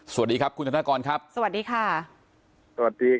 สวัสดีครับคุณธนกรครับสวัสดีค่ะสวัสดี